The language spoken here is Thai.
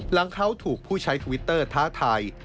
หลังเขาถูกผู้ใช้ทวิตเตอร์ท้าทาย